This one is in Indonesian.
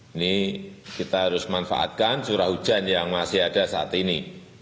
ini kita harus manfaatkan curah hujan yang masih ada saat ini